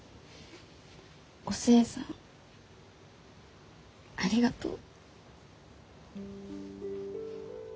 お寿恵さんありがとう。